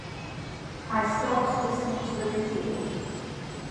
I stopped listening to the radio.